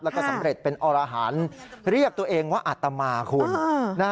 แล้วก็สำเร็จเป็นอรหันเรียกตัวเองว่าอัตมาคุณ